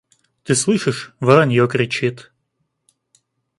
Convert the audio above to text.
Ты слышишь: воронье кричит.